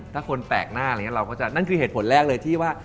ถ้าคนแปลกหน้านั่นคือเหตุผลแรกว่า